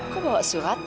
kamu bawa surat